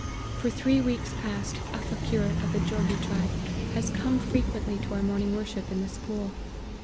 For three weeks past, a fa queer, of the Jogi tribe, has come frequently to our morning worship, in the school.